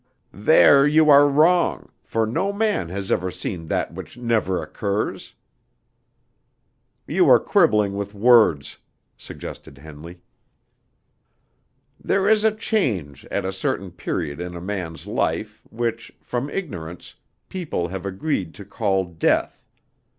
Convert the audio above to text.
"There you are wrong, for no man has ever seen that which never occurs!" "You are quibbling with words," suggested Henley. "There is a change at a certain period in a man's life, which, from ignorance, people have agreed to call death.